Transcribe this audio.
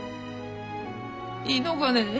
いいのかねえ？